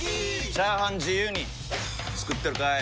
チャーハン自由に作ってるかい！？